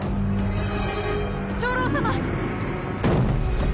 長老様！